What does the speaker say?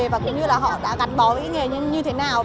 và cũng như là họ đã gắn bó với nghề như thế nào